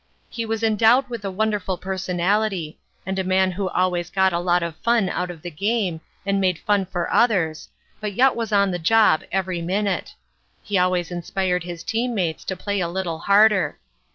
He was endowed with a wonderful personality, and a man who always got a lot of fun out of the game and made fun for others, but yet was on the job every minute. He always inspired his team mates to play a little harder.